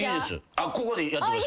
ここでやってください。